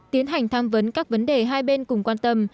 tiến hành tham vấn các vấn đề hai bên cùng quan tâm